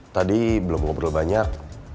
tadi belum ngobrol banyak